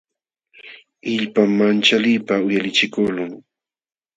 Illpam manchaliypaq uyalichikuqlun.